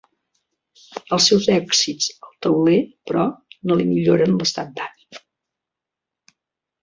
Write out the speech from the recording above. Els seus èxits al tauler, però, no li milloren l'estat d'ànim.